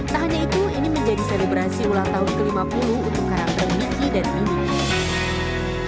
tak hanya itu ini menjadi selebrasi ulang tahun ke lima puluh untuk karakter miki dan mini